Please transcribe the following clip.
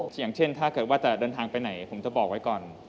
อย่างเช่นถ้าเกิดว่าจะเดินทางไปไหนผมจะบอกไว้ก่อน